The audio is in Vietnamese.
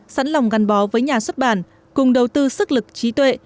sẵn lòng gắn bó với nhà xuất bản cùng đầu tư sức lực trí tuệ